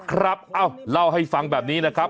เอ้าเล่าให้ฟังแบบนี้นะครับ